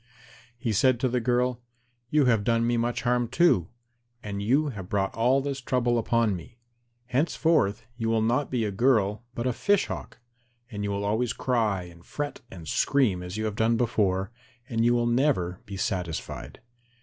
He said to the girl, "You have done me much harm too, and you have brought all this trouble upon me. Henceforth you will be not a girl but a Fish Hawk, and you will always cry and fret and scream as you have done before, and you will never be satisfied."